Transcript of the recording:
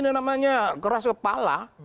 ini namanya keras kepala